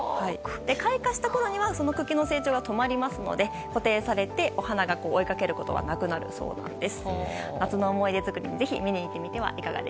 開花したころには茎の成長が止まりますので固定されてお花が太陽を追いかけることはなくなるそうです。